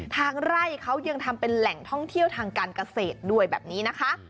ทางไร่เขายังทำเป็นแหล่งท่องเที่ยวทางการเกษตรด้วยแบบนี้นะคะ